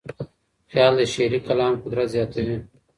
خیال د شعري کلام قدرت زیاتوي.